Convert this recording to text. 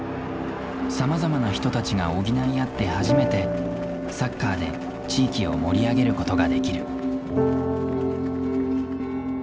さまざまな人たちが補い合って初めてサッカーで地域を盛り上げることができる。